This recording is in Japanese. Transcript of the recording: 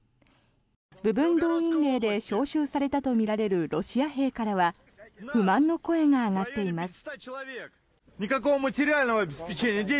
部分動員令で招集されたとみられるロシア兵からは不満の声が上がっています。